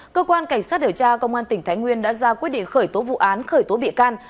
cơ quan cảnh sát điều tra công an tỉnh thái nguyên đã ra quyết định khởi tố vụ án khởi tố bị can